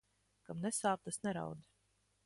Kam nesāp, tas neraud.